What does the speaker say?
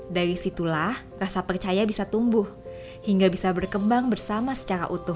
dari situlah rasa percaya bisa tumbuh hingga bisa berkembang bersama secara utuh